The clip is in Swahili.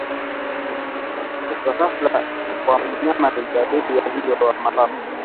Kifo cha ghafla kwa mnyama ni dalili ya ugonjwa wa mapafu